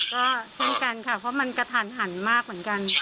ก็เช่นกันค่ะเพราะมันกระทันหันมากเหมือนกัน